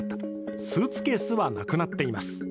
スーツケースはなくなっています。